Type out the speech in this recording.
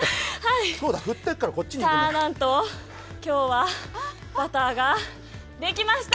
なんと今日はバターができました！